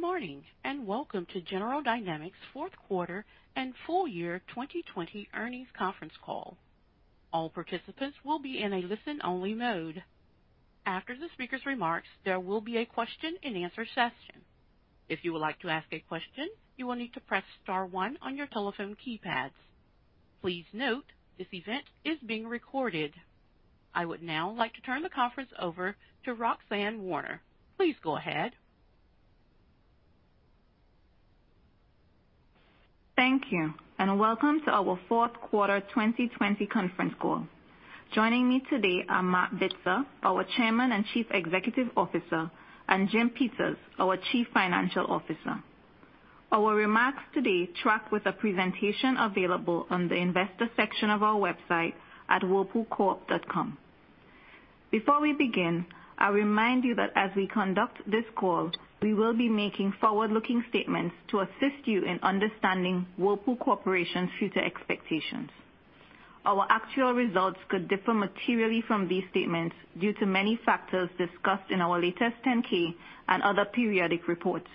Good morning, and welcome to General Dynamics' Fourth Quarter and Full-Year 2020 Earnings Conference Call. All participants will be in a listen-only mode. After the speaker's remarks, there will be a question-and-answer session. If you would like to ask a question, you will need to press star one on your telephone keypads. Please note, this event is being recorded. I would now like to turn the conference over to Roxanne Warner. Please go ahead. Thank you, and welcome to our Fourth Quarter 2020 Conference Call. Joining me today are Marc Bitzer, our Chairman and Chief Executive Officer, and Jim Peters, our Chief Financial Officer. Our remarks today track with a presentation available on the investor section of our website at whirlpoolcorp.com. Before we begin, I remind you that as we conduct this call, we will be making forward-looking statements to assist you in understanding Whirlpool Corporation's future expectations. Our actual results could differ materially from these statements due to many factors discussed in our latest 10-K and other periodic reports.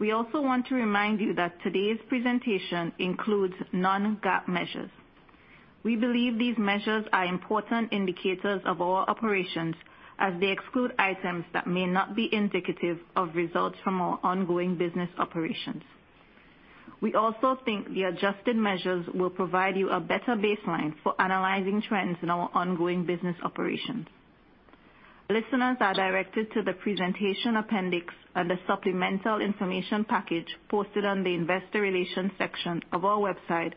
We also want to remind you that today's presentation includes non-GAAP measures. We believe these measures are important indicators of our operations as they exclude items that may not be indicative of results from our ongoing business operations. We also think the adjusted measures will provide you a better baseline for analyzing trends in our ongoing business operations. Listeners are directed to the presentation appendix and the supplemental information package posted on the investor relations section of our website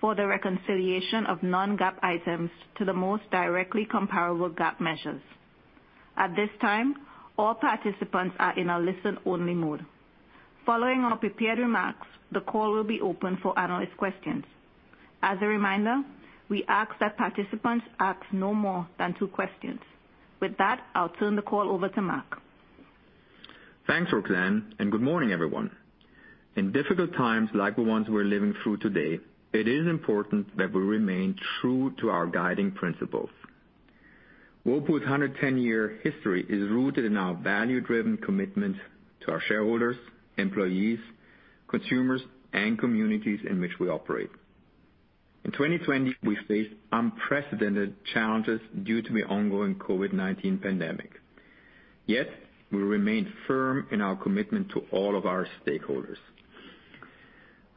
for the reconciliation of non-GAAP items to the most directly comparable GAAP measures. At this time, all participants are in a listen-only mode. Following our prepared remarks, the call will be open for analyst questions. As a reminder, we ask that participants ask no more than two questions. With that, I'll turn the call over to Marc. Thanks, Roxanne. Good morning, everyone. In difficult times like the ones we're living through today, it is important that we remain true to our guiding principles. Whirlpool's 110-year history is rooted in our value-driven commitment to our shareholders, employees, consumers, and communities in which we operate. In 2020, we faced unprecedented challenges due to the ongoing COVID-19 pandemic. We remained firm in our commitment to all of our stakeholders.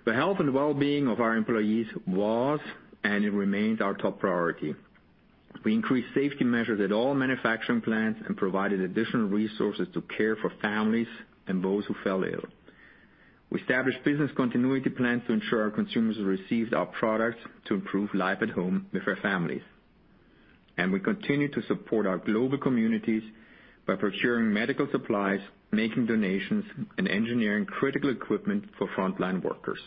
The health and well-being of our employees was, and it remains our top priority. We increased safety measures at all manufacturing plants and provided additional resources to care for families and those who fell ill. We established business continuity plans to ensure our consumers received our products to improve life at home with their families. We continued to support our global communities by procuring medical supplies, making donations, and engineering critical equipment for frontline workers.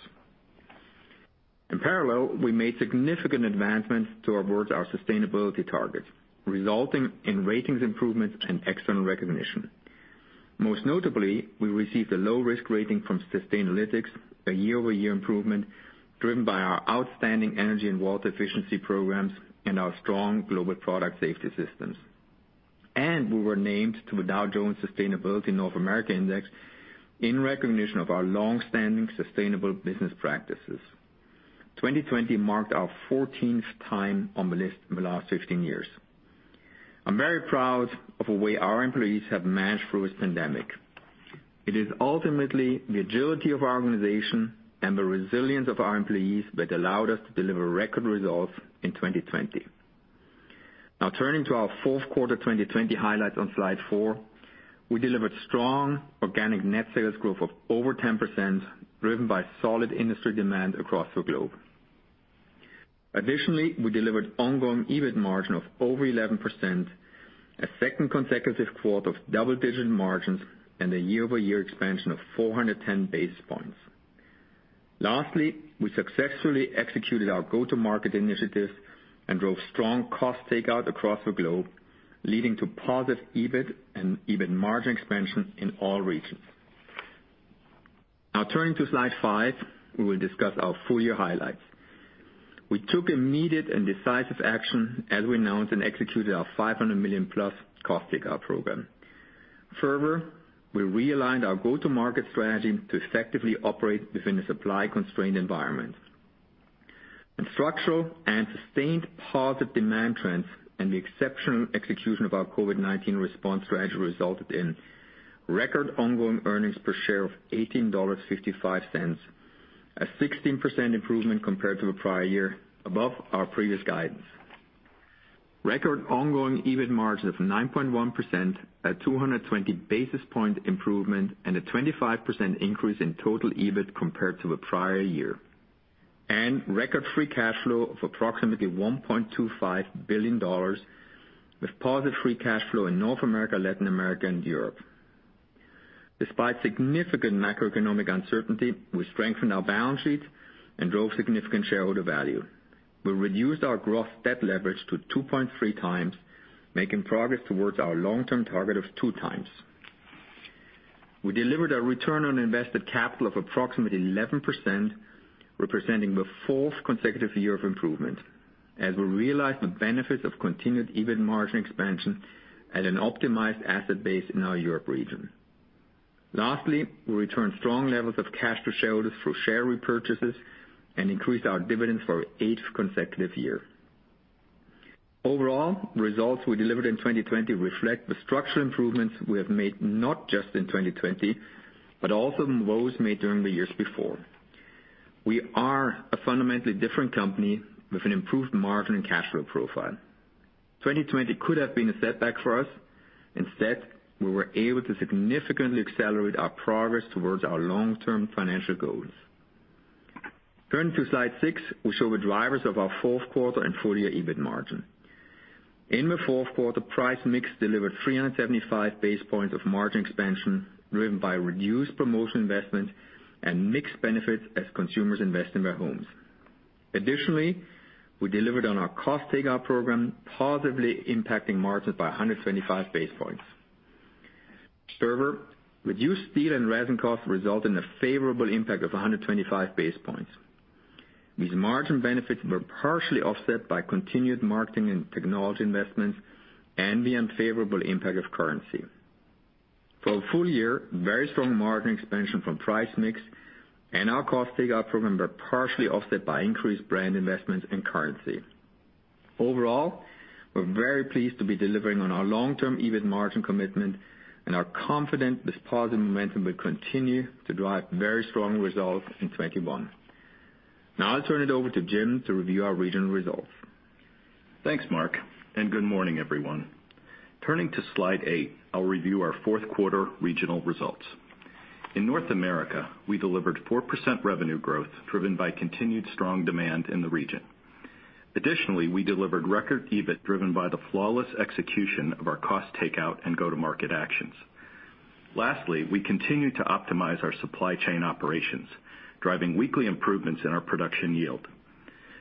In parallel, we made significant advancements towards our sustainability targets, resulting in ratings improvements and external recognition. Most notably, we received a low-risk rating from Sustainalytics, a year-over-year improvement driven by our outstanding energy and water efficiency programs and our strong global product safety systems. We were named to the Dow Jones Sustainability North America Index in recognition of our longstanding sustainable business practices. 2020 marked our 14th time on the list in the last 15 years. I'm very proud of the way our employees have managed through this pandemic. It is ultimately the agility of our organization and the resilience of our employees that allowed us to deliver record results in 2020. Now turning to our fourth quarter 2020 highlights on slide four, we delivered strong organic net sales growth of over 10%, driven by solid industry demand across the globe. Additionally, we delivered ongoing EBIT margin of over 11%, a second consecutive quarter of double-digit margins and a year-over-year expansion of 410 basis points. Lastly, we successfully executed our go-to-market initiatives and drove strong cost takeout across the globe, leading to positive EBIT and EBIT margin expansion in all regions. Turning to slide five, we will discuss our full-year highlights. We took immediate and decisive action as we announced and executed our $500 million+ cost takeout program. We realigned our go-to-market strategy to effectively operate within a supply-constrained environment. Structural and sustained positive demand trends and the exceptional execution of our COVID-19 response strategy resulted in record ongoing earnings per share of $18.55, a 16% improvement compared to the prior year, above our previous guidance. Record ongoing EBIT margin of 9.1%, a 220-basis point improvement, and a 25% increase in total EBIT compared to the prior year. Record free cash flow of approximately $1.25 billion with positive free cash flow in North America, Latin America, and Europe. Despite significant macroeconomic uncertainty, we strengthened our balance sheet and drove significant shareholder value. We reduced our gross debt leverage to 2.3x, making progress towards our long-term target of 2x. We delivered a return on invested capital of approximately 11%, representing the fourth consecutive year of improvement. As we realize the benefits of continued EBIT margin expansion at an optimized asset base in our Europe region. Lastly, we returned strong levels of cash to shareholders through share repurchases and increased our dividends for eight consecutive years. Overall, results we delivered in 2020 reflect the structural improvements we have made not just in 2020, but also those made during the years before. We are a fundamentally different company with an improved margin and cash flow profile. 2020 could have been a setback for us. Instead, we were able to significantly accelerate our progress towards our long-term financial goals. Turning to slide six, we show the drivers of our fourth quarter and full-year EBIT margin. In the fourth quarter, price mix delivered 375 basis points of margin expansion, driven by reduced promotion investment and mix benefits as consumers invest in their homes. Additionally, we delivered on our cost takeout program, positively impacting margins by 125 basis points. Further, reduced steel and resin costs result in a favorable impact of 125 basis points. These margin benefits were partially offset by continued marketing and technology investments and the unfavorable impact of currency. For the full-year, very strong margin expansion from price mix and our cost takeout program were partially offset by increased brand investments and currency. Overall, we're very pleased to be delivering on our long-term EBIT margin commitment, and are confident this positive momentum will continue to drive very strong results in 2021. Now I'll turn it over to Jim to review our regional results. Thanks, Marc, good morning, everyone. Turning to slide eight, I'll review our fourth quarter regional results. In North America, we delivered 4% revenue growth driven by continued strong demand in the region. Additionally, we delivered record EBIT driven by the flawless execution of our cost takeout and go-to-market actions. Lastly, we continue to optimize our supply chain operations, driving weekly improvements in our production yield.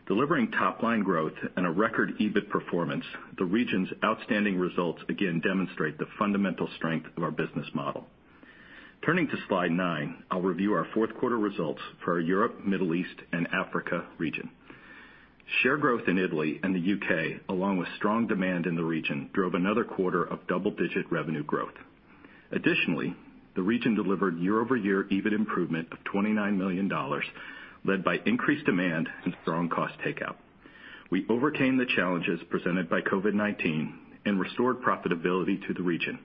Delivering top-line growth and a record EBIT performance, the region's outstanding results again demonstrate the fundamental strength of our business model. Turning to slide nine, I'll review our fourth quarter results for our Europe, Middle East and Africa region. Share growth in Italy and the U.K., along with strong demand in the region, drove another quarter of double digit revenue growth. Additionally, the region delivered year-over-year EBIT improvement of $29 million, led by increased demand and strong cost takeout. We overcame the challenges presented by COVID-19 and restored profitability to the region,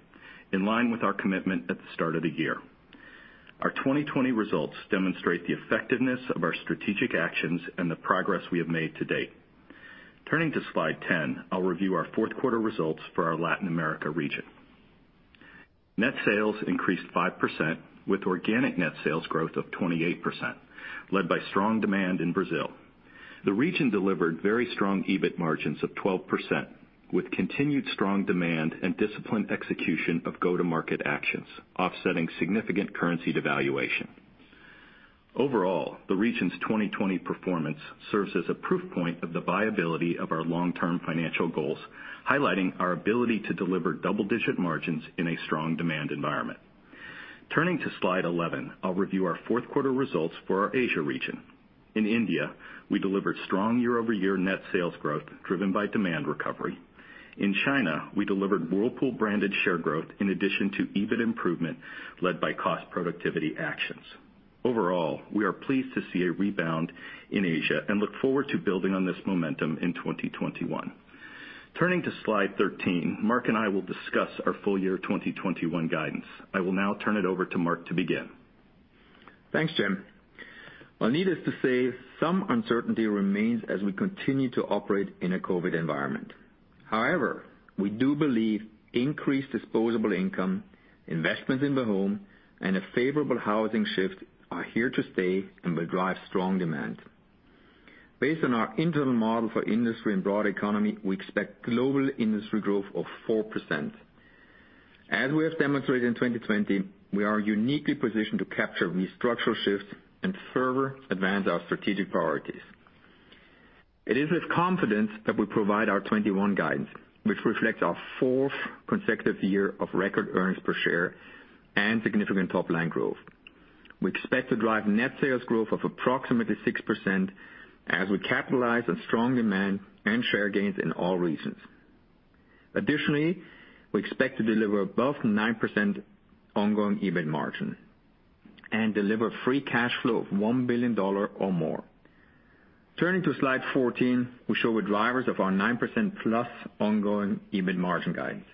in line with our commitment at the start of the year. Our 2020 results demonstrate the effectiveness of our strategic actions and the progress we have made to date. Turning to slide 10, I'll review our fourth quarter results for our Latin America region. Net sales increased 5%, with organic net sales growth of 28%, led by strong demand in Brazil. The region delivered very strong EBIT margins of 12%, with continued strong demand and disciplined execution of go-to-market actions, offsetting significant currency devaluation. Overall, the region's 2020 performance serves as a proof point of the viability of our long-term financial goals, highlighting our ability to deliver double-digit margins in a strong demand environment. Turning to slide 11, I'll review our fourth quarter results for our Asia region. In India, we delivered strong year-over-year net sales growth driven by demand recovery. In China, we delivered Whirlpool-branded share growth in addition to EBIT improvement led by cost productivity actions. Overall, we are pleased to see a rebound in Asia and look forward to building on this momentum in 2021. Turning to slide 13, Marc and I will discuss our full-year 2021 guidance. I will now turn it over to Marc to begin. Thanks, Jim. Well, needless to say, some uncertainty remains as we continue to operate in a COVID-19 environment. However, we do believe increased disposable income, investments in the home, and a favorable housing shift are here to stay and will drive strong demand. Based on our internal model for industry and broad economy, we expect global industry growth of 4%. As we have demonstrated in 2020, we are uniquely positioned to capture these structural shifts and further advance our strategic priorities. It is with confidence that we provide our 2021 guidance, which reflects our fourth consecutive year of record earnings per share and significant top-line growth. We expect to drive net sales growth of approximately 6% as we capitalize on strong demand and share gains in all regions. Additionally, we expect to deliver above 9% ongoing EBIT margin and deliver free cash flow of $1 billion or more. Turning to slide 14, we show the drivers of our 9%+ ongoing EBIT margin guidance.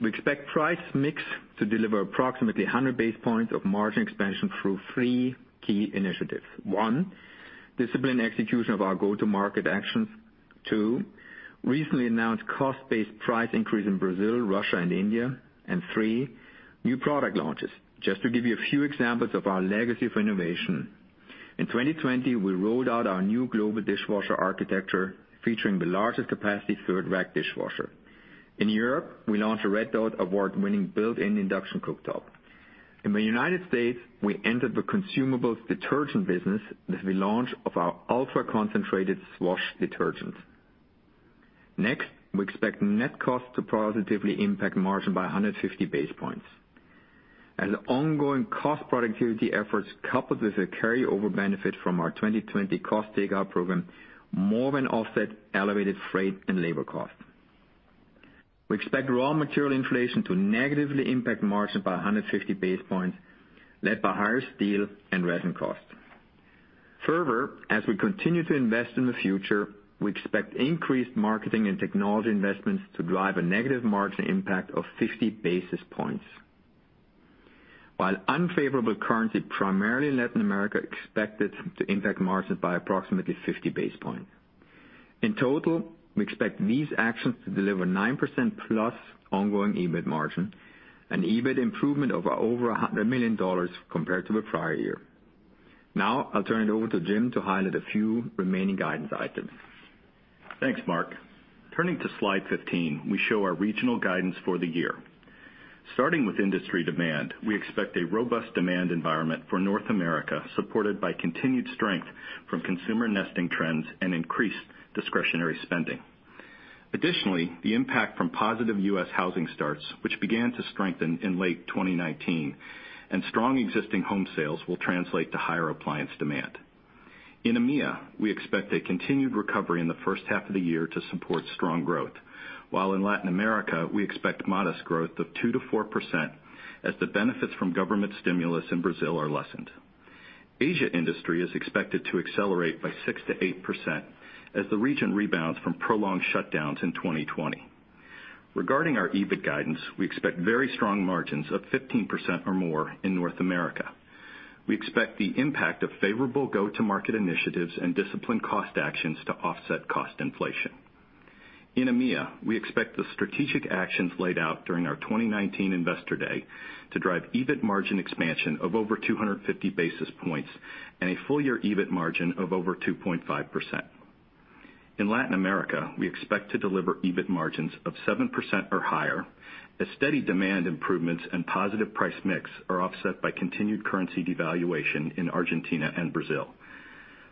We expect price mix to deliver approximately 100 basis points of margin expansion through three key initiatives. One, disciplined execution of our go-to-market actions. Two, recently announced cost-based price increase in Brazil, Russia and India. Three, new product launches. Just to give you a few examples of our legacy of innovation. In 2020, we rolled out our new global dishwasher architecture, featuring the largest capacity third rack dishwasher. In Europe, we launched a Red Dot Award-winning built-in induction cooktop. In the United States, we entered the consumables detergent business with the launch of our ultra-concentrated Swash detergent. Next, we expect net costs to positively impact margin by 150 basis points. Ongoing cost productivity efforts, coupled with a carry-over benefit from our 2020 cost takeout program, more than offset elevated freight and labor costs. We expect raw material inflation to negatively impact margin by 150 basis points, led by higher steel and resin costs. Further, as we continue to invest in the future, we expect increased marketing and technology investments to drive a negative margin impact of 50 basis points. While unfavorable currency, primarily in Latin America, expected to impact margins by approximately 50 basis points. In total, we expect these actions to deliver 9%+ ongoing EBIT margin, an EBIT improvement of over $100 million compared to the prior year. Now, I'll turn it over to Jim to highlight a few remaining guidance items. Thanks, Marc. Turning to slide 15, we show our regional guidance for the year. Starting with industry demand, we expect a robust demand environment for North America, supported by continued strength from consumer nesting trends and increased discretionary spending. Additionally, the impact from positive U.S. housing starts, which began to strengthen in late 2019, and strong existing home sales will translate to higher appliance demand. In EMEA, we expect a continued recovery in the first half of the year to support strong growth. While in Latin America, we expect modest growth of 2%-4% as the benefits from government stimulus in Brazil are lessened. Asia industry is expected to accelerate by 6%-8% as the region rebounds from prolonged shutdowns in 2020. Regarding our EBIT guidance, we expect very strong margins of 15% or more in North America. We expect the impact of favorable go-to-market initiatives and disciplined cost actions to offset cost inflation. In EMEA, we expect the strategic actions laid out during our 2019 Investor Day to drive EBIT margin expansion of over 250 basis points and a full-year EBIT margin of over 2.5%. In Latin America, we expect to deliver EBIT margins of 7% or higher as steady demand improvements and positive price mix are offset by continued currency devaluation in Argentina and Brazil.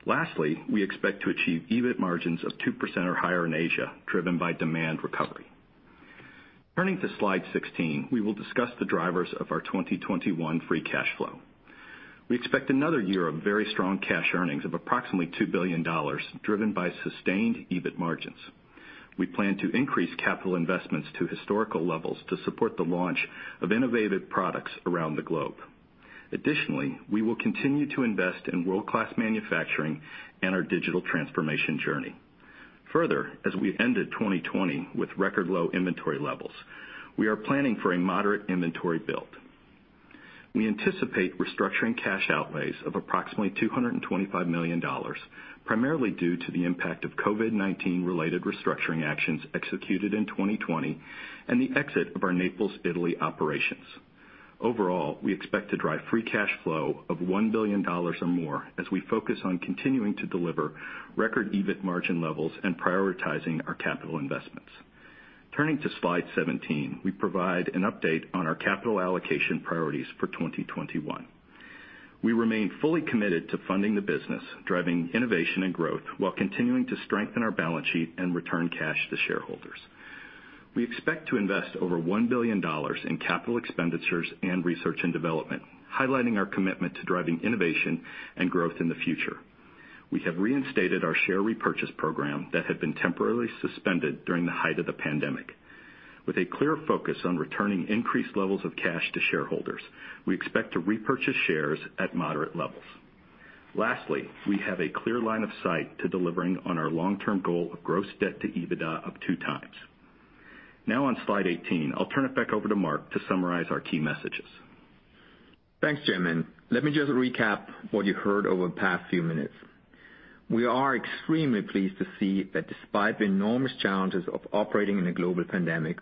Lastly, we expect to achieve EBIT margins of 2% or higher in Asia, driven by demand recovery. Turning to slide 16, we will discuss the drivers of our 2021 free cash flow. We expect another year of very strong cash earnings of approximately $2 billion, driven by sustained EBIT margins. We plan to increase capital investments to historical levels to support the launch of innovative products around the globe. Additionally, we will continue to invest in world-class manufacturing and our digital transformation journey. As we ended 2020 with record low inventory levels, we are planning for a moderate inventory build. We anticipate restructuring cash outlays of approximately $225 million, primarily due to the impact of COVID-19 related restructuring actions executed in 2020 and the exit of our Naples, Italy, operations. Overall, we expect to drive free cash flow of $1 billion or more as we focus on continuing to deliver record EBIT margin levels and prioritizing our capital investments. Turning to slide 17, we provide an update on our capital allocation priorities for 2021. We remain fully committed to funding the business, driving innovation and growth, while continuing to strengthen our balance sheet and return cash to shareholders. We expect to invest over $1 billion in capital expenditures and research and development, highlighting our commitment to driving innovation and growth in the future. We have reinstated our share repurchase program that had been temporarily suspended during the height of the pandemic. With a clear focus on returning increased levels of cash to shareholders, we expect to repurchase shares at moderate levels. Lastly, we have a clear line of sight to delivering on our long-term goal of gross debt to EBITDA of two times. Now on slide 18, I'll turn it back over to Marc to summarize our key messages. Thanks, Jim. Let me just recap what you heard over the past few minutes. We are extremely pleased to see that despite the enormous challenges of operating in a global pandemic,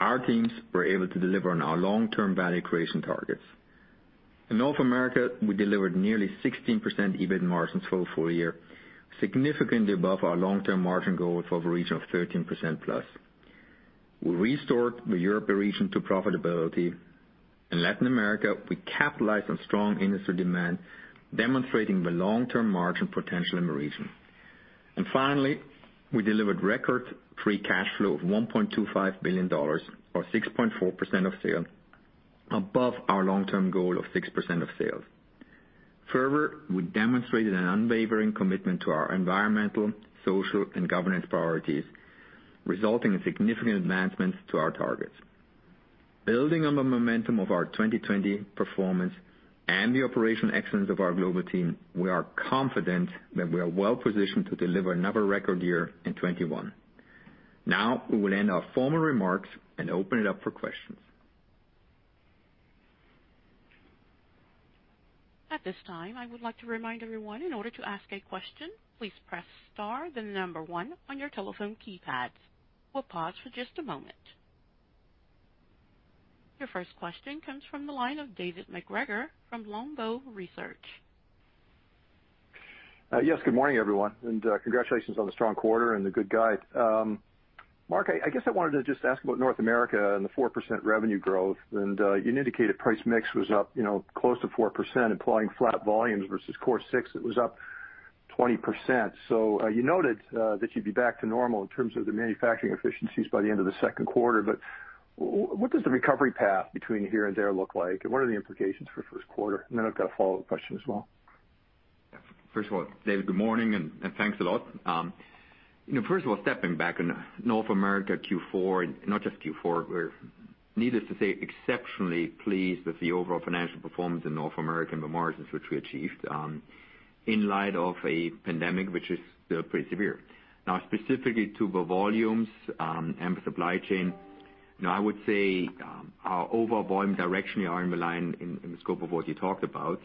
our teams were able to deliver on our long-term value creation targets. In North America, we delivered nearly 16% EBIT margins for the full-year, significantly above our long-term margin goal for the region of 13% plus. We restored the Europe region to profitability. In Latin America, we capitalized on strong industry demand, demonstrating the long-term margin potential in the region. Finally, we delivered record free cash flow of $1.25 billion or 6.4% of sales, above our long-term goal of 6% of sales. Further, we demonstrated an unwavering commitment to our environmental, social, and governance priorities, resulting in significant advancements to our targets. Building on the momentum of our 2020 performance and the operational excellence of our global team, we are confident that we are well-positioned to deliver another record year in 2021. We will end our formal remarks and open it up for questions. Your first question comes from the line of David MacGregor from Longbow Research. Yes, good morning, everyone, and congratulations on the strong quarter and the good guide. Marc, I guess I wanted to just ask about North America and the 4% revenue growth. You indicated price mix was up close to 4%, implying flat volumes versus core six, it was up 20%. You noted that you'd be back to normal in terms of the manufacturing efficiencies by the end of the second quarter, what does the recovery path between here and there look like? What are the implications for the first quarter? I've got a follow-up question as well. First of all, David, good morning, and thanks a lot. Stepping back on North America Q4, not just Q4, we're needless to say, exceptionally pleased with the overall financial performance in North American margins, which we achieved in light of a pandemic, which is still pretty severe. Specifically to the volumes, and the supply chain, I would say our overall volume directionally are in line in the scope of what you talked about,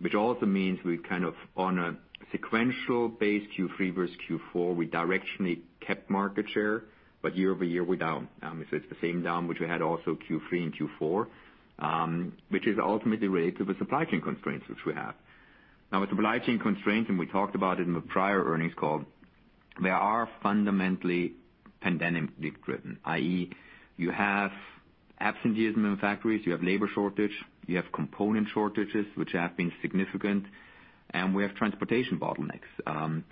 which also means we're kind of on a sequential base, Q3 vs Q4. We directionally kept market share, but year-over-year, we're down. It's the same down, which we had also Q3 and Q4, which is ultimately related to the supply chain constraints which we have. With supply chain constraints, and we talked about it in the prior earnings call, they are fundamentally pandemically driven, i.e., you have absenteeism in factories, you have labor shortage, you have component shortages, which have been significant, and we have transportation bottlenecks.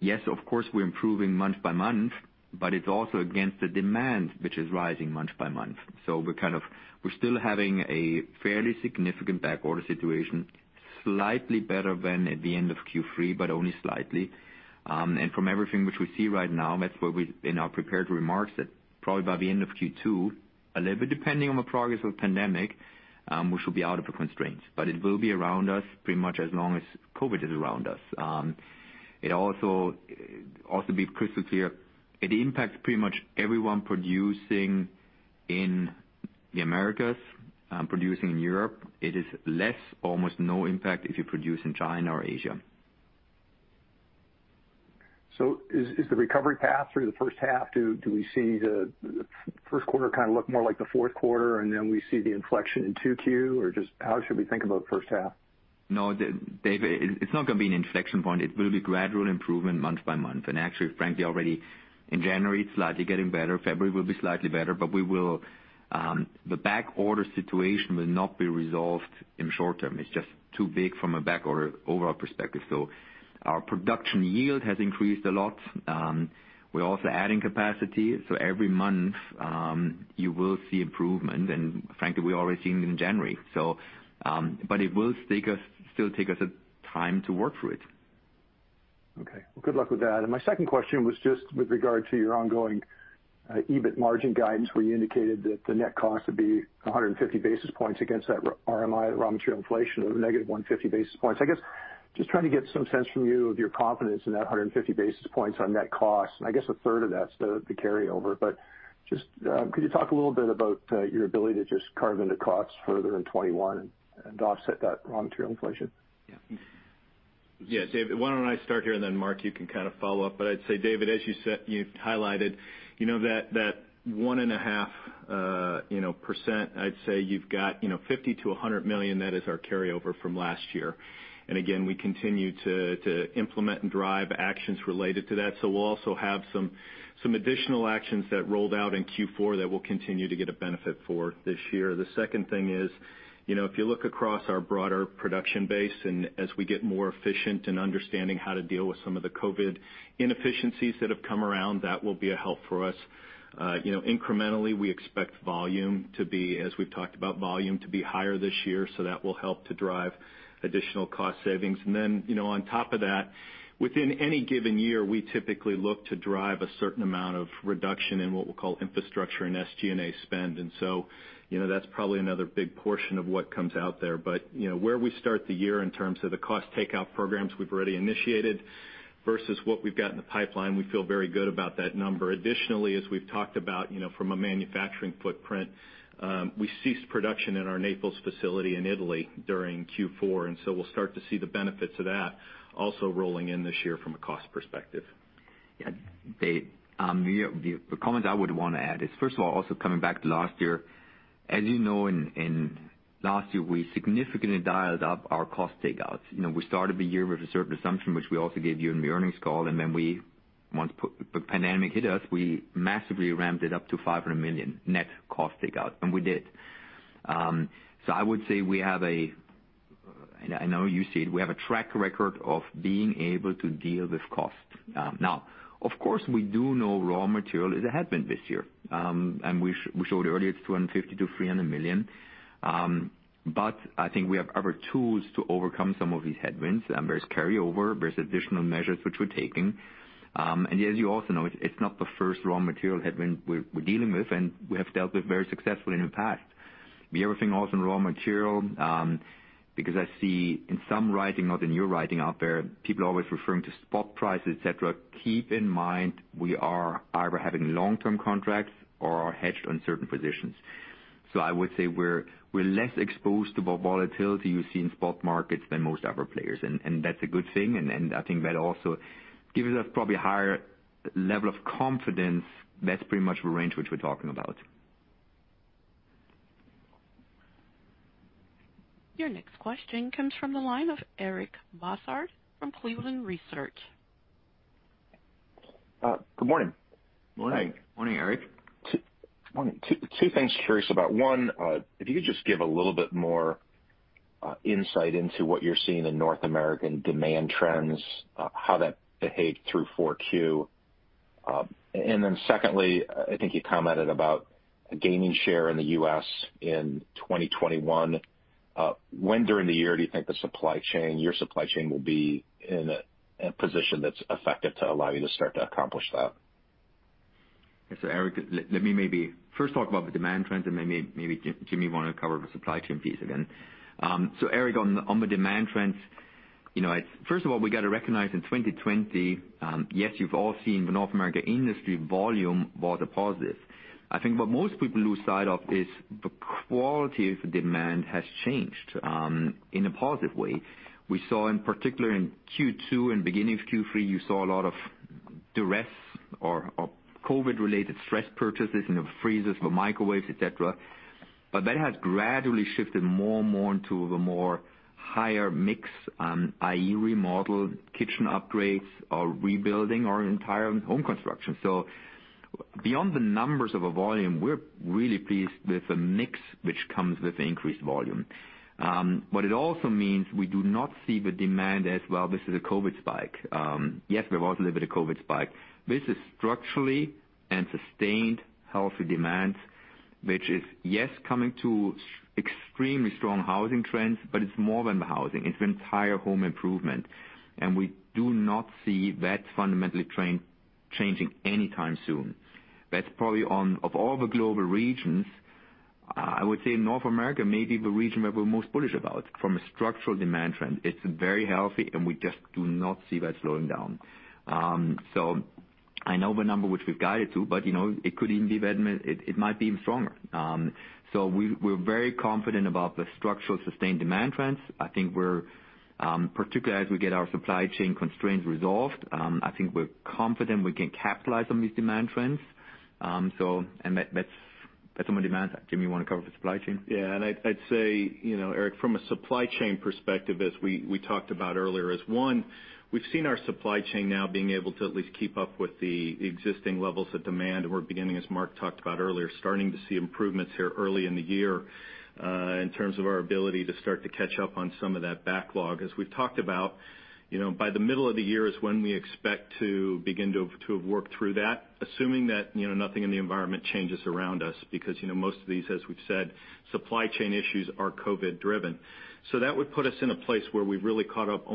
Yes, of course, we're improving month by month, but it's also against the demand, which is rising month by month. We're still having a fairly significant backorder situation, slightly better than at the end of Q3, but only slightly. From everything which we see right now, that's where we, in our prepared remarks, that probably by the end of Q2, a little bit depending on the progress of the pandemic, we should be out of the constraints. It will be around us pretty much as long as COVID is around us. Be crystal clear, it impacts pretty much everyone producing in the Americas, producing in Europe. It is less, almost no impact if you produce in China or Asia. Is the recovery path through the first half? Do we see the first quarter kind of look more like the fourth quarter, and then we see the inflection in Q2? Just how should we think about the first half? No, David, it's not going to be an inflection point. It will be gradual improvement month by month. Actually, frankly, already in January, it's slightly getting better. February will be slightly better. The backorder situation will not be resolved in short term. It's just too big from a backorder overall perspective. Our production yield has increased a lot. We're also adding capacity. Every month, you will see improvement. Frankly, we're already seeing it in January. It will still take us time to work through it. Okay. Well, good luck with that. My second question was just with regard to your ongoing EBIT margin guidance, where you indicated that the net cost would be 150 basis points against that RMI, raw material inflation of negative 150 basis points. I guess, just trying to get some sense from you of your confidence in that 150 basis points on net cost. I guess a third of that's the carryover. Just could you talk a little bit about your ability to just carve into costs further in 2021 and offset that raw material inflation? Yeah. David, why don't I start here. Marc, you can kind of follow up. I'd say, David, as you've highlighted, that 1.5%, I'd say you've got $50 million to $100 million. That is our carryover from last year. Again, we continue to implement and drive actions related to that. We'll also have some additional actions that rolled out in Q4 that we'll continue to get a benefit for this year. The second thing is, if you look across our broader production base, as we get more efficient in understanding how to deal with some of the COVID inefficiencies that have come around, that will be a help for us. Incrementally, we expect volume to be higher this year, that will help to drive additional cost savings. Then, on top of that, within any given year, we typically look to drive a certain amount of reduction in what we'll call infrastructure and SG&A spend. So, that's probably another big portion of what comes out there. Where we start the year in terms of the cost takeout programs we've already initiated versus what we've got in the pipeline, we feel very good about that number. Additionally, as we've talked about from a manufacturing footprint, we ceased production in our Naples facility in Italy during Q4, and so we'll start to see the benefits of that also rolling in this year from a cost perspective. Yeah. Dave, the comment I would want to add is, first of all, also coming back to last year. As you know, in last year, we significantly dialed up our cost takeouts. We started the year with a certain assumption, which we also gave you in the earnings call. Then once the pandemic hit us, we massively ramped it up to $500 million net cost takeout. We did. I would say, I know you see it, we have a track record of being able to deal with costs. Now, of course, we do know raw material is a headwind this year. We showed earlier, it's $250 million to $300 million. I think we have other tools to overcome some of these headwinds. There's carryover, there's additional measures which we're taking. As you also know, it's not the first raw material headwind we're dealing with, and we have dealt with very successfully in the past. The other thing also in raw material, because I see in some writing or in your writing out there, people are always referring to spot prices, et cetera. Keep in mind, we are either having long-term contracts or are hedged on certain positions. I would say we're less exposed to the volatility you see in spot markets than most other players. That's a good thing, and I think that also gives us probably a higher level of confidence that's pretty much the range which we're talking about. Your next question comes from the line of Eric Bosshard from Cleveland Research. Good morning. Morning. Morning, Eric. Morning. Two things curious about. One, if you could just give a little bit more insight into what you're seeing in North American demand trends, how that behaved through 4Q. Secondly, I think you commented about gaining share in the U.S. in 2021. When, during the year, do you think your supply chain will be in a position that's effective to allow you to start to accomplish that? Eric, let me maybe first talk about the demand trends, and maybe Jim want to cover the supply chain piece again. Eric, on the demand trends, first of all, we got to recognize in 2020, yes, you've all seen the North America industry volume was a positive. I think what most people lose sight of is the quality of the demand has changed in a positive way. We saw in particular in Q2 and beginning of Q3, you saw a lot of duress or COVID related stress purchases in the freezers, the microwaves, et cetera. That has gradually shifted more and more into the more higher mix, i.e., remodel, kitchen upgrades or rebuilding or entire home construction. Beyond the numbers of a volume, we're really pleased with the mix, which comes with the increased volume. What it also means, we do not see the demand as, well, this is a COVID spike. Yes, there was a little bit of COVID spike. This is structurally and sustained healthy demand, which is, yes, coming to extremely strong housing trends, but it's more than the housing. It's the entire home improvement. We do not see that fundamentally changing anytime soon. That's probably of all the global regions, I would say North America may be the region that we're most bullish about from a structural demand trend. It's very healthy. We just do not see that slowing down. I know the number which we've guided to. It might be even stronger. We're very confident about the structural sustained demand trends. Particularly as we get our supply chain constraints resolved, I think we're confident we can capitalize on these demand trends. That's on the demand side. Jim, you want to cover the supply chain? Yeah. I'd say, Eric, from a supply chain perspective, as we talked about earlier, is one, we've seen our supply chain now being able to at least keep up with the existing levels of demand. We're beginning, as Marc talked about earlier, starting to see improvements here early in the year, in terms of our ability to start to catch up on some of that backlog. As we've talked about, by the middle of the year is when we expect to begin to have worked through that, assuming that nothing in the environment changes around us. Because most of these, as we've said, supply chain issues are COVID driven. That would put us in a place where we've really caught up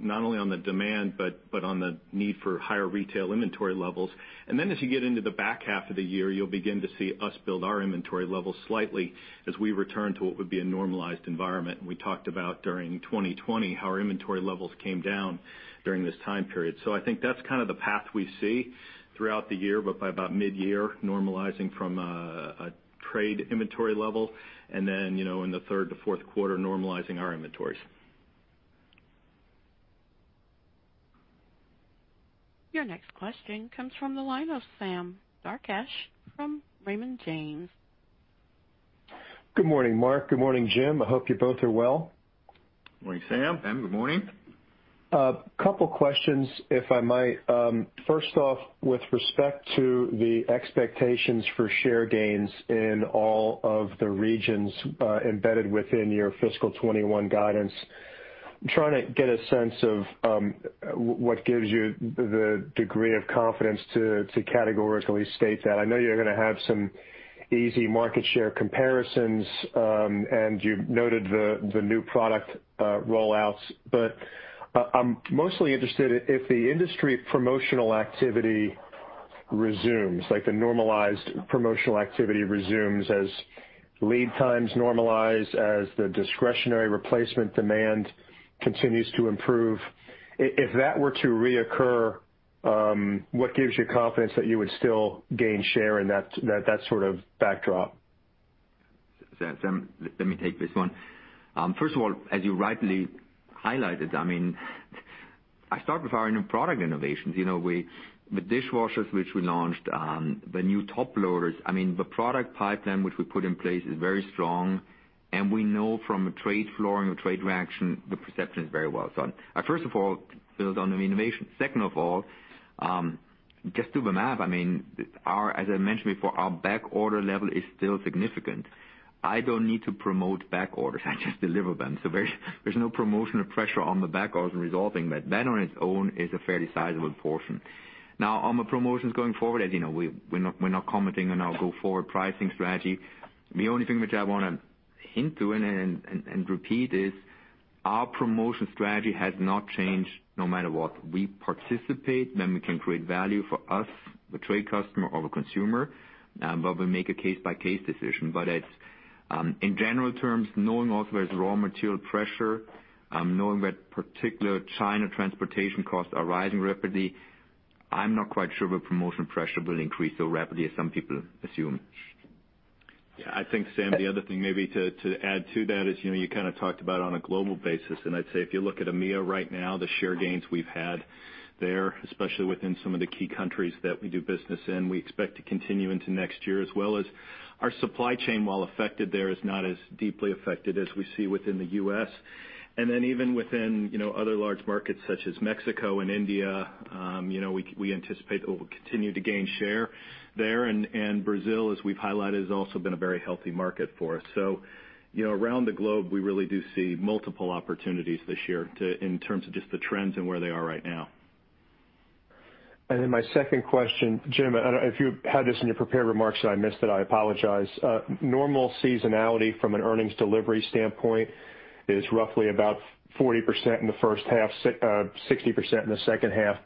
not only on the demand, but on the need for higher retail inventory levels. Then as you get into the back half of the year, you'll begin to see us build our inventory levels slightly as we return to what would be a normalized environment. We talked about during 2020 how our inventory levels came down during this time period. I think that's kind of the path we see throughout the year. By about mid-year, normalizing from a trade inventory level and then, in the third to fourth quarter, normalizing our inventories. Your next question comes from the line of Sam Darkatsh from Raymond James. Good morning, Marc. Good morning, Jim. I hope you both are well. Morning, Sam. Sam, good morning. A couple questions, if I might. First off, with respect to the expectations for share gains in all of the regions embedded within your fiscal 2021 guidance, I'm trying to get a sense of what gives you the degree of confidence to categorically state that. I know you're going to have some easy market share comparisons, and you've noted the new product rollouts, but I'm mostly interested if the industry promotional activity resumes, like the normalized promotional activity resumes as lead times normalize, as the discretionary replacement demand continues to improve. If that were to reoccur, what gives you confidence that you would still gain share in that sort of backdrop? Sam, let me take this one. First of all, as you rightly highlighted, I start with our new product innovations. With dishwashers, which we launched, the new top loaders, the product pipeline which we put in place is very strong, and we know from a [inaudible] or trade reaction, the perception is very well done. First of all, build on the innovation. Second of all, just do the math. As I mentioned before, our back order level is still significant. I don't need to promote back orders. I just deliver them. There's no promotional pressure on the back orders and resolving that. That on its own is a fairly sizable portion. Now, on the promotions going forward, as you know, we're not commenting on our go-forward pricing strategy. The only thing which I want to hint to and repeat is our promotion strategy has not changed no matter what. We participate, then we can create value for us, the trade customer or the consumer, but we make a case by case decision. In general terms, knowing also there's raw material pressure, knowing that particular China transportation costs are rising rapidly, I'm not quite sure the promotion pressure will increase so rapidly as some people assume. Yeah, I think Sam, the other thing maybe to add to that is, you kind of talked about on a global basis, and I'd say if you look at EMEA right now, the share gains we've had there, especially within some of the key countries that we do business in, we expect to continue into next year as well as our supply chain, while affected there, is not as deeply affected as we see within the U.S. Even within other large markets such as Mexico and India, we anticipate that we'll continue to gain share there. Brazil, as we've highlighted, has also been a very healthy market for us. Around the globe, we really do see multiple opportunities this year in terms of just the trends and where they are right now. My second question, Jim, I don't know if you had this in your prepared remarks and I missed it, I apologize. Normal seasonality from an earnings delivery standpoint is roughly about 40% in the first half, 60% in the second half.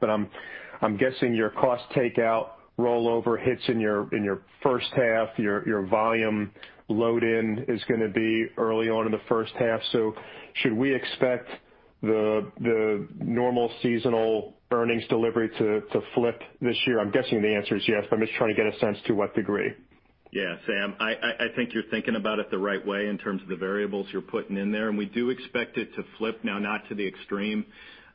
I'm guessing your cost takeout rollover hits in your first half, your volume load in is going to be early on in the first half. Should we expect the normal seasonal earnings delivery to flip this year? I'm guessing the answer is yes, but I'm just trying to get a sense to what degree. Yeah, Sam, I think you're thinking about it the right way in terms of the variables you're putting in there, and we do expect it to flip. Not to the extreme.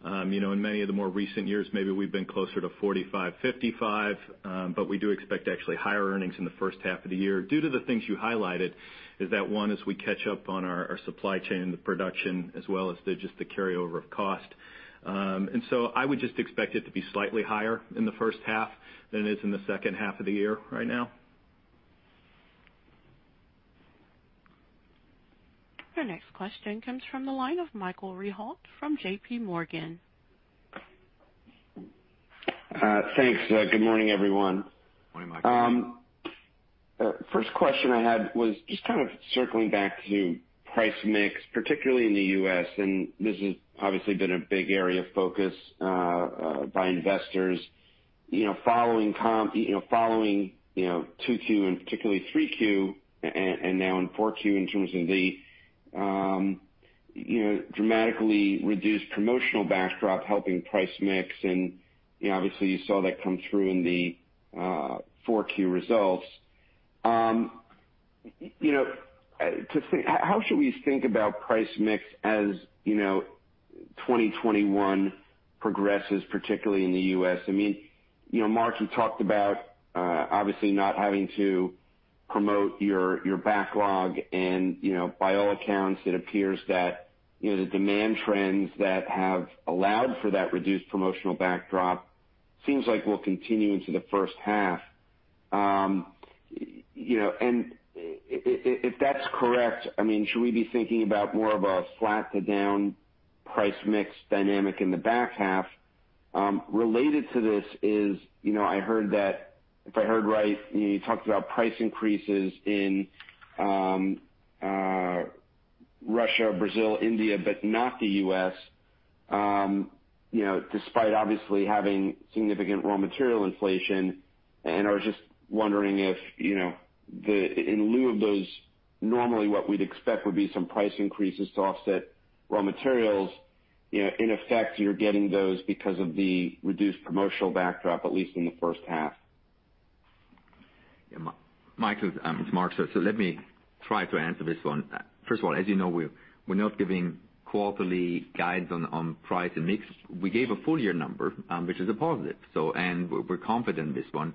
In many of the more recent years, maybe we've been closer to 45/55. We do expect actually higher earnings in the first half of the year due to the things you highlighted, is that one is we catch up on our supply chain and the production as well as just the carryover of cost. I would just expect it to be slightly higher in the first half than it is in the second half of the year right now. Our next question comes from the line of Michael Rehaut from JPMorgan. Thanks. Good morning, everyone. Morning, Michael. First question I had was just kind of circling back to price mix, particularly in the U.S., and this has obviously been a big area of focus by investors. Following 2Q and particularly 3Q, and now in 4Q in terms of the dramatically reduced promotional backdrop helping price mix, and obviously you saw that come through in the 4Q results. How should we think about price mix as 2021 progresses, particularly in the U.S.? Marc, you talked about obviously not having to promote your backlog and, by all accounts, it appears that the demand trends that have allowed for that reduced promotional backdrop seems like will continue into the first half. If that's correct, should we be thinking about more of a flat to down price mix dynamic in the back half? Related to this is, I heard that, if I heard right, you talked about price increases in Russia, Brazil, India, but not the U.S. despite obviously having significant raw material inflation and I was just wondering if in lieu of those, normally what we'd expect would be some price increases to offset raw materials. In effect, you're getting those because of the reduced promotional backdrop, at least in the first half. Michael, it's Marc. Let me try to answer this one. First of all, as you know, we're not giving quarterly guides on price and mix. We gave a full-year number, which is a positive. We're confident in this one.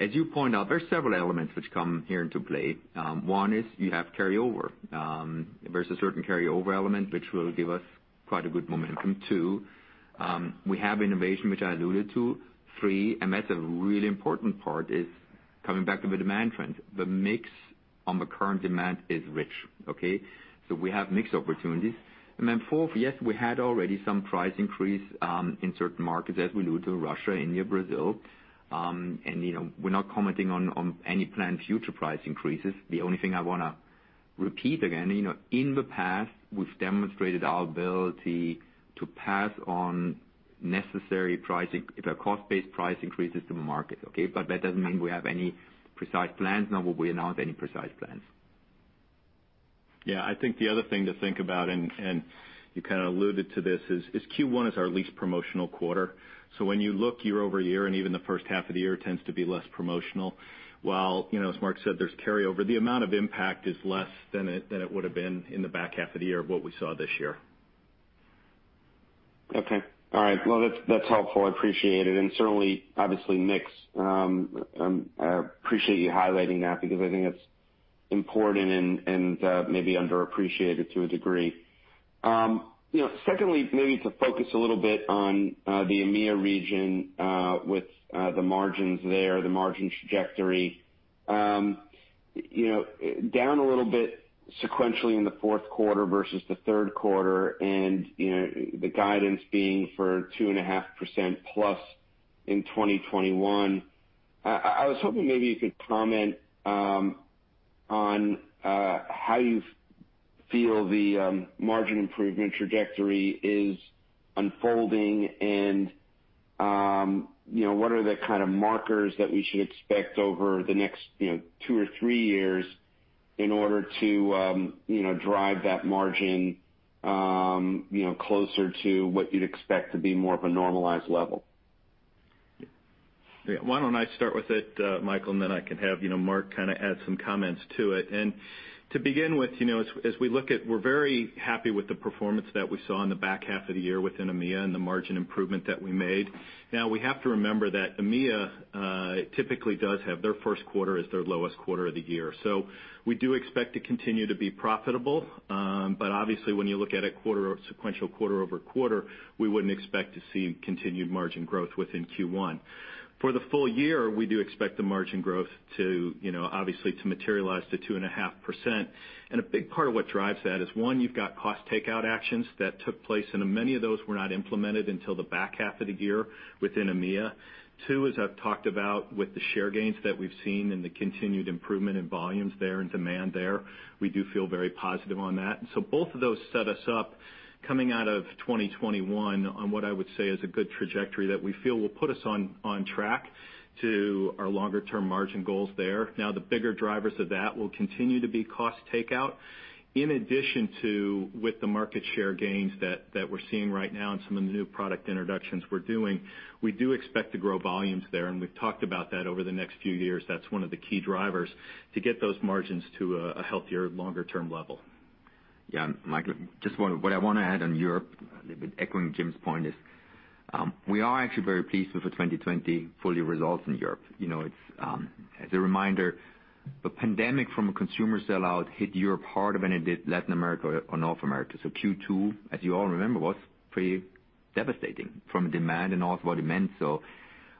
As you point out, there are several elements which come here into play. One is you have carryover. There's a certain carryover element, which will give us quite a good momentum. Two, we have innovation, which I alluded to. Three, that's a really important part, is coming back to the demand trend. The mix on the current demand is rich. Okay. We have mix opportunities. Fourth, yes, we had already some price increase in certain markets as we alluded to Russia, India, Brazil. We're not commenting on any planned future price increases. The only thing I want to repeat again, in the past, we've demonstrated our ability to pass on necessary cost-based price increases to the market, okay? That doesn't mean we have any precise plans, nor will we announce any precise plans. Yeah, I think the other thing to think about, and you kind of alluded to this, is Q1 is our least promotional quarter. When you look year-over-year and even the first half of the year tends to be less promotional. While, as Marc said, there's carryover, the amount of impact is less than it would have been in the back half of the year of what we saw this year. Okay. All right. Well, that's helpful. I appreciate it. Certainly, obviously, mix, I appreciate you highlighting that because I think that's important and maybe underappreciated to a degree. Secondly, maybe to focus a little bit on the EMEA region, with the margins there, the margin trajectory. Down a little bit sequentially in the fourth quarter versus the third quarter, the guidance being for 2.5%+ in 2021. I was hoping maybe you could comment on how you feel the margin improvement trajectory is unfolding and what are the kind of markers that we should expect over the next two or three years in order to drive that margin closer to what you'd expect to be more of a normalized level? Why don't I start with it, Michael, and then I can have Marc kind of add some comments to it. To begin with, as we look at, we're very happy with the performance that we saw in the back half of the year within EMEA and the margin improvement that we made. Now, we have to remember that EMEA typically does have their first quarter as their lowest quarter of the year. We do expect to continue to be profitable. Obviously, when you look at it sequential quarter-over-quarter, we wouldn't expect to see continued margin growth within Q1. For the full-year, we do expect the margin growth to obviously materialize to 2.5%. A big part of what drives that is, one, you've got cost takeout actions that took place, and many of those were not implemented until the back half of the year within EMEA. Two, as I've talked about with the share gains that we've seen and the continued improvement in volumes there and demand there, we do feel very positive on that. So both of those set us up coming out of 2021 on what I would say is a good trajectory that we feel will put us on track to our longer-term margin goals there. The bigger drivers of that will continue to be cost takeout. In addition to, with the market share gains that we're seeing right now and some of the new product introductions we're doing, we do expect to grow volumes there, and we've talked about that over the next few years. That's one of the key drivers to get those margins to a healthier, longer-term level. Yeah, Michael, just what I want to add on Europe, a little bit echoing Jim's point, is we are actually very pleased with the 2020 full-year results in Europe. As a reminder, the pandemic from a consumer sellout hit Europe harder than it did Latin America or North America. Q2, as you all remember, was pretty devastating from a demand and also what it meant.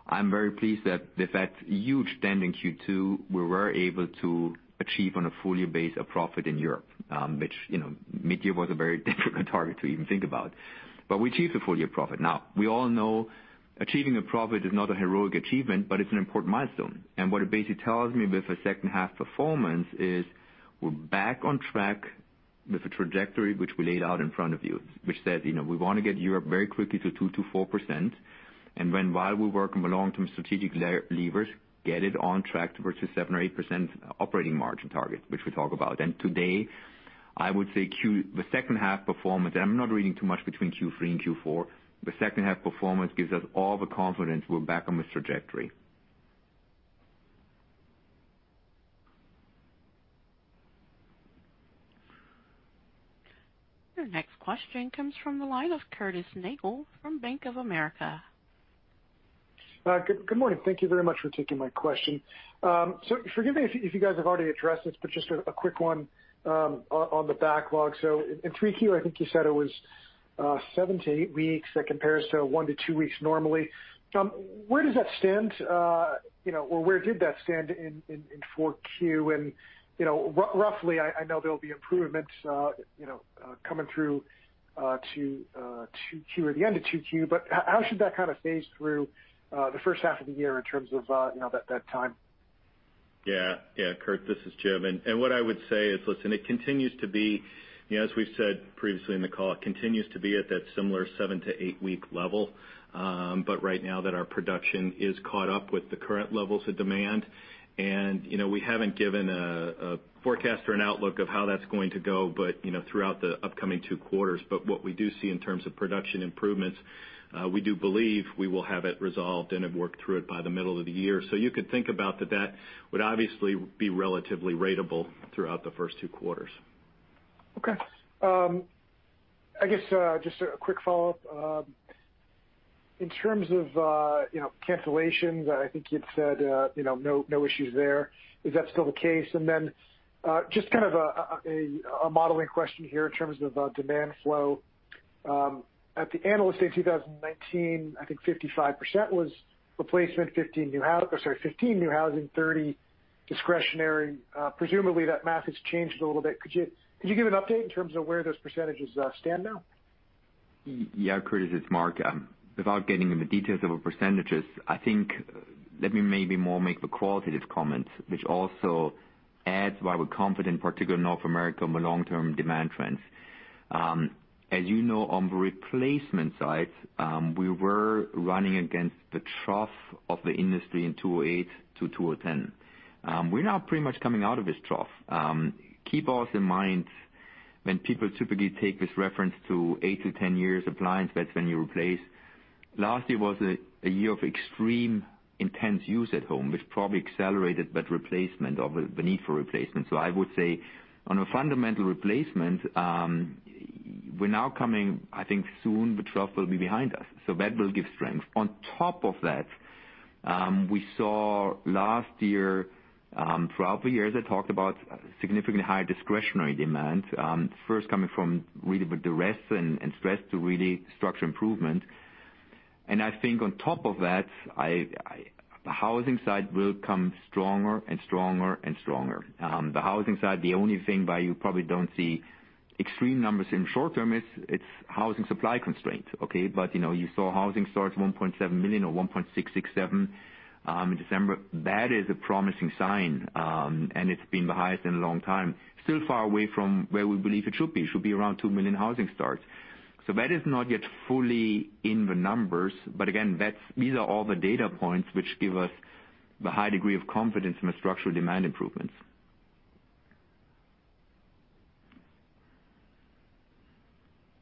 I'm very pleased that with that huge dent in Q2, we were able to achieve on a full-year base a profit in Europe, which mid-year was a very difficult target to even think about. We achieved a full-year profit. Now, we all know achieving a profit is not a heroic achievement, but it's an important milestone. What it basically tells me with the second half performance is we're back on track with the trajectory which we laid out in front of you, which said we want to get Europe very quickly to 2%-4%. Then while we work on the long-term strategic levers, get it on track towards the 7% or 8% operating margin target, which we talk about. Today, I would say the second half performance, and I'm not reading too much between Q3 and Q4, the second half performance gives us all the confidence we're back on this trajectory. Your next question comes from the line of Curtis Nagle from Bank of America. Good morning. Thank you very much for taking my question. Forgive me if you guys have already addressed this, but just a quick one on the backlog. In 3Q, I think you said it was seven to eight weeks. That compares one to two weeks normally. Where does that stand? Or where did that stand in 4Q? Roughly, I know there'll be improvements coming through to 2Q or the end of 2Q, but how should that kind of phase through the first half of the year in terms of that time? Yeah. Curtis, this is Jim. What I would say is, listen, it continues to be, as we've said previously in the call, it continues to be at that similar seven-to-eight week level. Right now that our production is caught up with the current levels of demand, and we haven't given a forecast or an outlook of how that's going to go, but throughout the upcoming two quarters. What we do see in terms of production improvements, we do believe we will have it resolved and have worked through it by the middle of the year. You could think about that would obviously be relatively ratable throughout the first two quarters. Okay. I guess, just a quick follow-up. In terms of cancellations, I think you'd said no issues there. Is that still the case? Just kind of a modeling question here in terms of demand flow. At the Investor Day 2019, I think 55% was replacement, 15% new housing, 30% discretionary. Presumably, that math has changed a little bit. Could you give an update in terms of where those percentages stand now? Curtis, it's Marc. Without getting in the details of the %, I think, let me maybe more make the qualitative comments, which also adds why we're confident, particularly in North America, on the long-term demand trends. As you know, on the replacement side, we were running against the trough of the industry in 2008 to 2010. We're now pretty much coming out of this trough. Keep also in mind, when people typically take this reference to eight to 10 years appliance, that's when you replace. Last year was a year of extreme intense use at home, which probably accelerated that replacement of the need for replacement. I would say on a fundamental replacement, we're now coming, I think soon the trough will be behind us, so that will give strength. On top of that, we saw last year, throughout the years, I talked about significantly higher discretionary demand. First coming from really the rest and stress to really structure improvement. I think on top of that, the housing side will come stronger and stronger and stronger. The housing side, the only thing why you probably don't see extreme numbers in short term is it's housing supply constraints, okay? You saw housing starts 1.7 million or 1.667 in December. That is a promising sign, and it's been the highest in a long time. Still far away from where we believe it should be. It should be around 2 million housing starts. That is not yet fully in the numbers. Again, these are all the data points which give us the high degree of confidence in the structural demand improvements.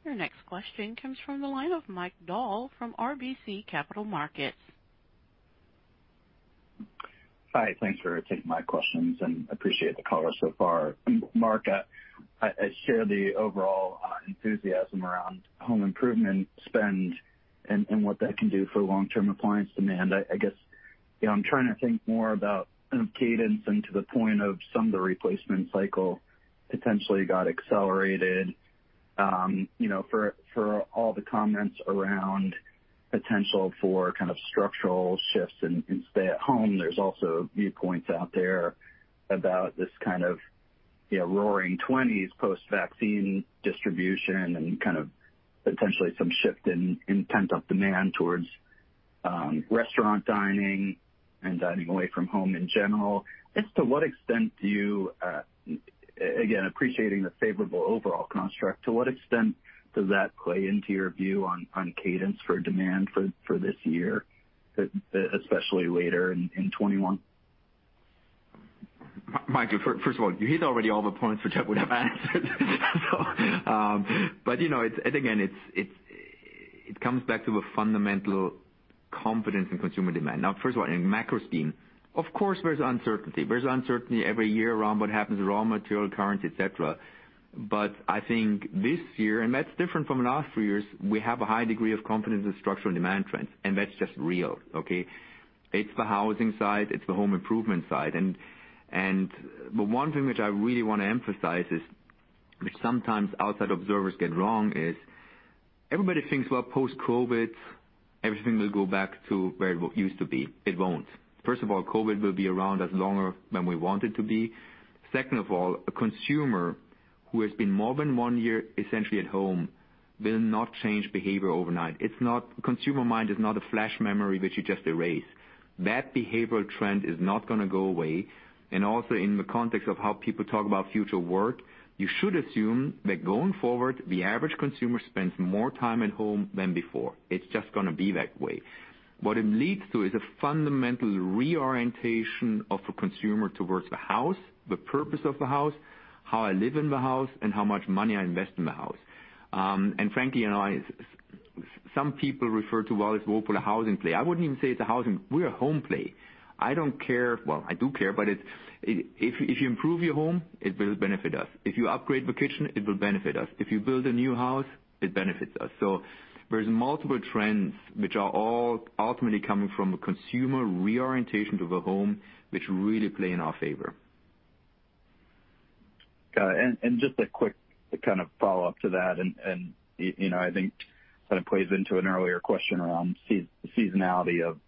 Your next question comes from the line of Mike Dahl from RBC Capital Markets. Hi, thanks for taking my questions. I appreciate the color so far. Marc, I share the overall enthusiasm around home improvement spend and what that can do for long-term appliance demand. I guess I'm trying to think more about kind of cadence and to the point of some of the replacement cycle potentially got accelerated. For all the comments around potential for structural shifts in stay at home, there's also viewpoints out there about this kind of roaring '20s post-vaccine distribution and potentially some shift in pent-up demand towards restaurant dining and dining away from home in general. Again, appreciating the favorable overall construct, to what extent does that play into your view on cadence for demand for this year, especially later in 2021? Michael, first of all, you hit already all the points which I would have answered. Again, it comes back to the fundamental confidence in consumer demand. First of all, in macro scheme, of course, there's uncertainty. There's uncertainty every year around what happens with raw material, currency, et cetera. I think this year, and that's different from the last three years, we have a high degree of confidence in structural demand trends, and that's just real. Okay. It's the housing side, it's the home improvement side. The one thing which I really want to emphasize, which sometimes outside observers get wrong, is everybody thinks, well, post-COVID, everything will go back to where it used to be. It won't. First of all, COVID will be around as longer than we want it to be. Second of all, a consumer who has been more than one year essentially at home will not change behavior overnight. Consumer mind is not a flash memory which you just erase. That behavioral trend is not going to go away, and also in the context of how people talk about future work, you should assume that going forward, the average consumer spends more time at home than before. It's just going to be that way. What it leads to is a fundamental reorientation of the consumer towards the house, the purpose of the house, how I live in the house, and how much money I invest in the house. Frankly, some people refer to us as Whirlpool, a housing play. I wouldn't even say it's a housing. We're a home play. I don't care. Well, I do care, but if you improve your home, it will benefit us. If you upgrade the kitchen, it will benefit us. If you build a new house, it benefits us. There's multiple trends which are all ultimately coming from a consumer reorientation to the home, which really play in our favor. Got it. Just a quick follow-up to that, and I think it kind of plays into an earlier question around seasonality of